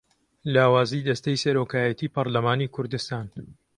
لاوازیی دەستەی سەرۆکایەتیی پەرلەمانی کوردستان